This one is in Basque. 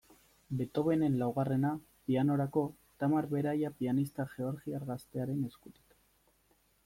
Beethovenen laugarrena, pianorako, Tamar Beraia pianista georgiar gaztearen eskutik.